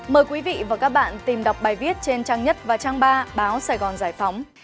mời quý vị và các bạn tìm đọc bài viết trên trang nhất và trang ba báo sài gòn giải phóng